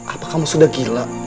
apa kamu sudah gila